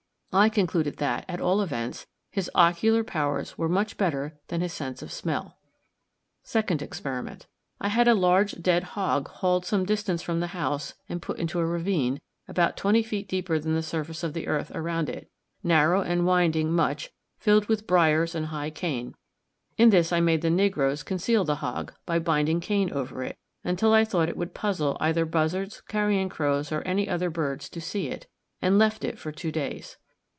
I concluded that, at all events, his ocular powers were much better than his sense of smell. "Second Experiment. I had a large dead hog hauled some distance from the house and put into a ravine, about twenty feet deeper than the surface of the earth around it, narrow and winding much, filled with briars and high cane. In this I made the negroes conceal the hog, by binding cane over it, until I thought it would puzzle either buzzards, carrion crows, or any other birds to see it, and left it for two days.